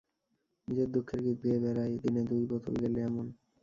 নিজের দুঃখের গীত গেয়ে বেড়ায়, দিনে দুই বোতল গেলে, এমন।